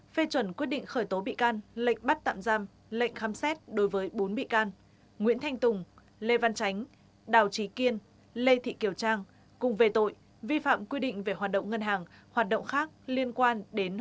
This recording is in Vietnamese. phê chuẩn quyết định khởi tố bị can lệnh bắt tạm giam lệnh khám xét đối với bốn bị can nguyễn thanh tùng lê văn chánh đào trí kiên lê thị kiều trang cùng về tội vi phạm quy định về hoạt động ngân hàng hoạt động khác liên quan